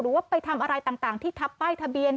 ว่าไปทำอะไรต่างที่ทับป้ายทะเบียน